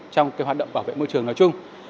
trong hoạt động bảo vệ môi trường nói chung